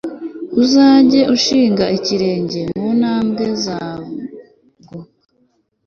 uzajye ushinga ikirenge mu ntambwe zabwo